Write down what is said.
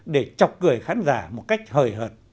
để chọc cười khán giả một cách hời hợt nhảm nhí